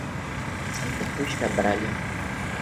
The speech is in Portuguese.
Santa Cruz Cabrália